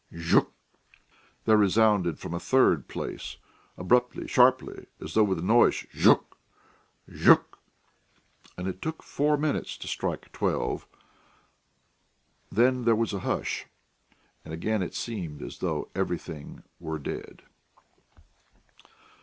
zhuk ..." there resounded from a third place, abruptly, sharply, as though with annoyance "Zhuk ... zhuk...." And it took four minutes to strike twelve. Then there was a hush; and again it seemed as though everything were dead.